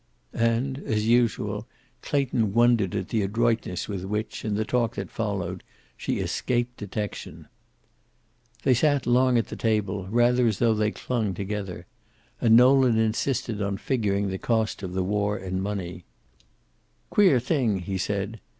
And, as usual, Clayton wondered at the adroitness with which, in the talk that followed, she escaped detection. They sat long at the table, rather as though they clung together. And Nolan insisted on figuring the cost of war in money. "Queer thing," he said.